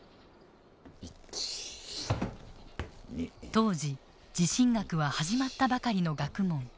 当時地震学は始まったばかりの学問。